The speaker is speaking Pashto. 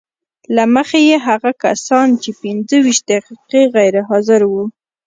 له مخې یې هغه کسان چې پنځه ویشت دقیقې غیر حاضر وو